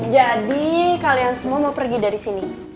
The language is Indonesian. jadi kalian semua mau pergi dari sini